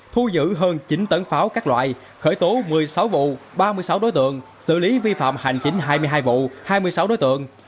thu giữ hơn chín tấn pháo các loại khởi tố một mươi sáu vụ ba mươi sáu đối tượng xử lý vi phạm hành chính hai mươi hai vụ hai mươi sáu đối tượng